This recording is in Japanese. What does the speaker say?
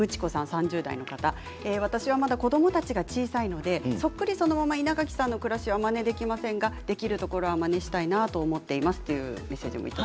３０代の方私はまだ子どもたちが小さいのでそっくりそのまま稲垣さんの暮らしをまねできませんができるところはまねしたいなと思っています。